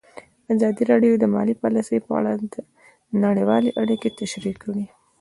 ازادي راډیو د مالي پالیسي په اړه نړیوالې اړیکې تشریح کړي.